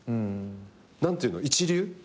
何ていうの一流？